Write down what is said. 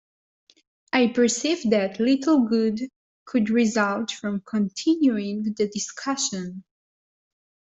I perceived that little good could result from continuing the discussion.